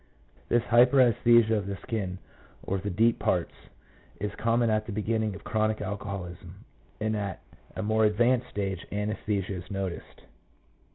This hyper esthesia of the skin, or of the deep parts, is common at the beginning of chronic alcoholism, and at a more advanced stage anaesthesia is noticed.